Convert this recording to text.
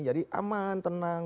jadi aman tenang